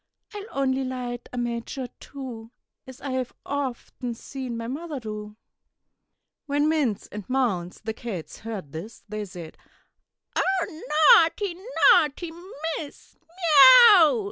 I'll only light a match or two As I have often seen my mother do." When Minz and Maunz, the cats, heard this, They said, "Oh, naughty, naughty Miss. Me ow!"